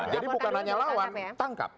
jadi bukan hanya lawan tangkap